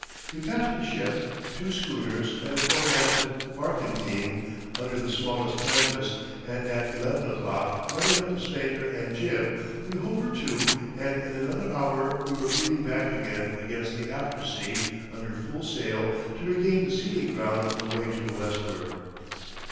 We passed a ship, two schooners and a four masted barkentine under the smallest canvas, and at eleven o'clock, running up the spanker and jib, we hove her to, and in another hour we were beating back again against the aftersea under full sail to regain the sealing ground away to the westward.